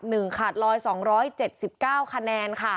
กรุงเทพฯมหานครทำไปแล้วนะครับ